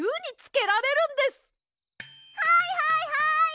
はいはいはい！